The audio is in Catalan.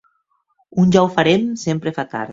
Un «ja ho farem!» sempre fa tard.